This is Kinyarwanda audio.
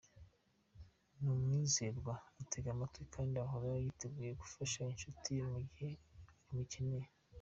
Ni umwizerwa, atega amatwi kandi ahora yiteguye gufasha inshuti ye mu gihe imukeneye.